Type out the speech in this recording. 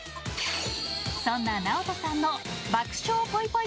そんなＮＡＯＴＯさんの爆笑ぽいぽい